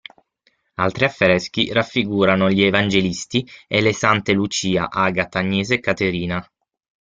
Altri affreschi raffigurano gli "Evangelisti" e le Sante Lucia, Agata, Agnese e Caterina.